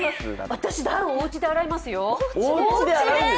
私、ダウン、おうちで洗いますよ。